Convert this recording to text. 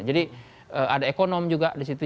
jadi ada ekonom juga disitu